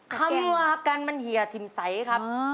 คำว่ากันมันเฮียทิมใสครับ